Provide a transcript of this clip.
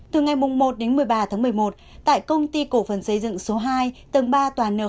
từ ngày một đến một mươi ba tháng một mươi một tại công ty cổ phần xây dựng số hai tầng ba toàn n ba t tám